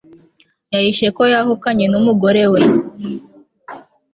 yahishe ko yahukanye n'umugore we